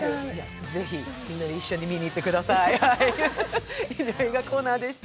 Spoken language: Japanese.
ぜひ、みんなで一緒に見に行ってください。